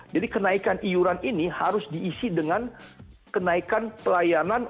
jadi kenaikan iuran ini harus diisi dengan kenaikan pelayanan